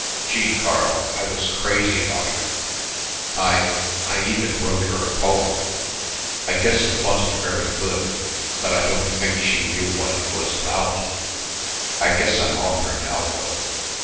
Gee, Carl, I was crazy about her. I I even wrote her a poem. I guess it wasn't very good, but I don't think she knew what it was about. I guess I'm off her now, though.